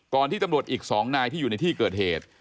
ที่ตำรวจอีก๒นายที่อยู่ในที่เกิดเหตุ